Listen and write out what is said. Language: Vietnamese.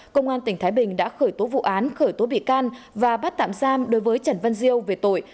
công an tỉnh thái bình đã khởi tố vụ án khởi tố bị can và bắt tạm giam đối với trần văn diêu về tội